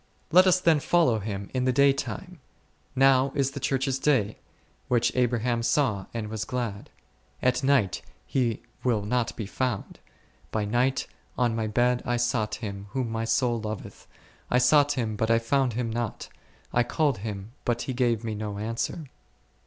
Let us then follow Him in the day time, now is the Church's day, which Abraham saw and was glad ; at night He will not be found, by night on my bed I sought Him whom my soul loveth, I sought Him but I found Him not; I called Him but He gave me no answer.